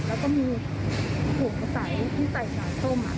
แล้วก็มีหากุมใสที่ใส่สามส้มอ่ะ